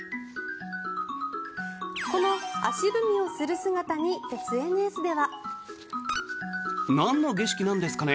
この足踏みをする姿にＳＮＳでは。